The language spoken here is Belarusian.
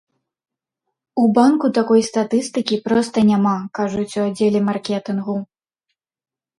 У банку такой статыстыкі проста няма, кажуць у аддзеле маркетынгу.